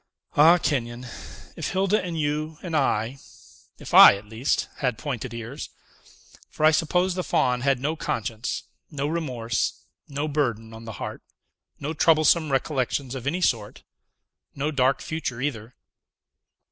Ah! Kenyon, if Hilda and you and I if I, at least had pointed ears! For I suppose the Faun had no conscience, no remorse, no burden on the heart, no troublesome recollections of any sort; no dark future either."